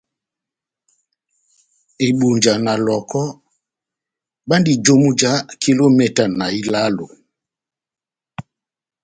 Ebunja na Lɔh᷅ɔkɔ bandi jomu já kilometa ilálo.